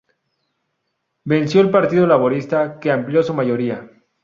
Venció el Partido Laborista, que amplió su mayoría.